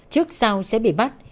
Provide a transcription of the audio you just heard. trước sau sẽ bị bắt